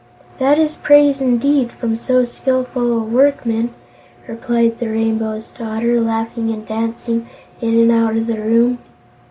"That is praise, indeed, from so skillful a workman," returned the Rainbow's Daughter, laughing and dancing in and out the room.